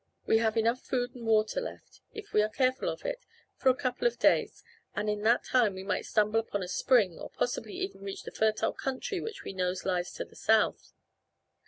We have enough food and water left, if we are careful of it, for a couple of days and in that time we might stumble upon a spring or possibly even reach the fertile country which I know lies to the south.